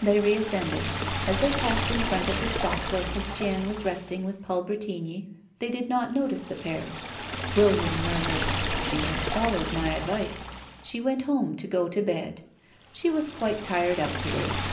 They reascended. As they passed in front of the spot where Christiane was resting with Paul Bretigny, they did not notice the pair. William murmured: "She has followed my advice. She went home to go to bed. She was quite tired out to day."